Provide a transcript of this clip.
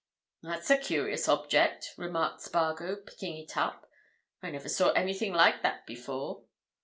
"That's a curious object," remarked Spargo, picking it up. "I never saw anything like that before.